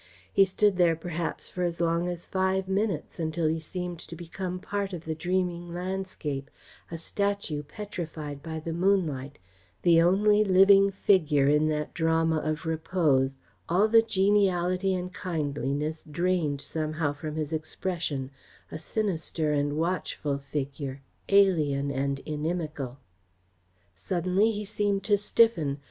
He stood there perhaps for as long as five minutes, until he seemed to become part of the dreaming landscape, a statue petrified by the moonlight, the only living figure in that drama of repose, all the geniality and kindliness drained somehow from his expression, a sinister and watchful figure, alien and inimical. Suddenly he seemed to stiffen.